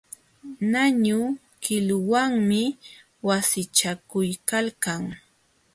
Ñañu qiluwanmi wasichakuykalkan.